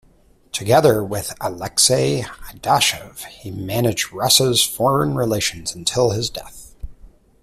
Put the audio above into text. Together with Alexei Adashev, he managed Russia's foreign relations until his death.